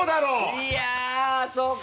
いやそうか。